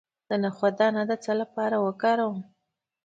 د نخود دانه د څه لپاره وکاروم؟